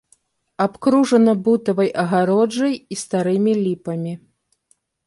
Абкружана бутавай агароджай і старымі ліпамі.